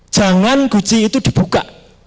jangan guci itu dibuka